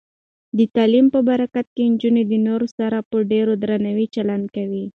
د تعلیم په برکت، نجونې د نورو سره په ډیر درناوي چلند کوي.